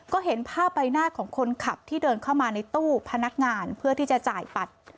ก็เห็นภาพใบหน้าของคนขับที่เดินเข้ามาในตู้พนักงานเพื่อที่จะจ่ายบัตร